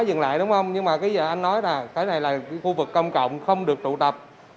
dừng lại đúng không nhưng mà bây giờ anh nói là cái này là khu vực công cộng không được tụ tập